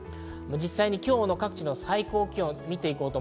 実際に今日の各地の最高気温です。